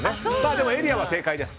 でも、エリアは正解です。